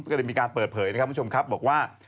ก็เลยมีการเปิดเผยนะครับคุณผู้ชมครับบอกว่า